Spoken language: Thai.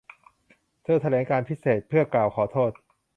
เธอแถลงการพิเศษเพื่อกล่าวขอโทษ